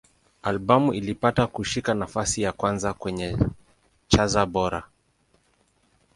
Albamu ilipata kushika nafasi ya kwanza kwenye cha za Bora.